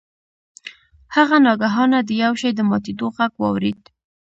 هغه ناگهانه د یو شي د ماتیدو غږ واورید.